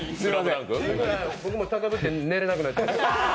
僕も高ぶって寝れなくなっちゃいました。